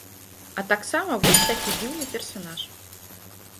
А таксама вось такі дзіўны персанаж.